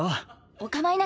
お構いなく。